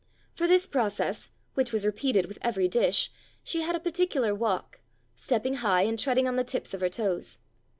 For this process, which was re peated with every dish, she had a particular walk, stepping high and treading on the tips of her toes.